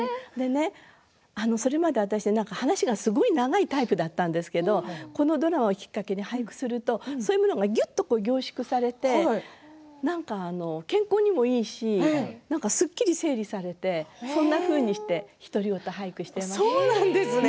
それまで私は話が長いタイプだったんですけれどもこのドラマがきっかけで俳句をするとそういったものがぎゅっと凝縮されて健康にもいいしすっきり整理されてそんなふうにして独り言俳句しています。